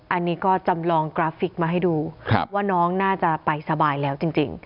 อันนี้ก็จำลองกราฟิกมาให้ดูว่าน้องน่าจะไปสบายแล้วจริง